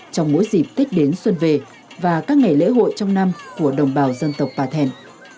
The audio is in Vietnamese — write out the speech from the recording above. trong mỗi dịp tết đến xuân về và các ngày lễ hội trong năm của đồng bào dân tộc bà thẻn